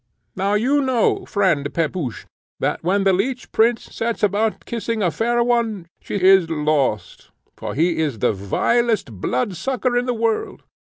Now you know, friend Pepusch, that, when the Leech Prince sets about kissing a fair one, she is lost, for he is the vilest bloodsucker in the world.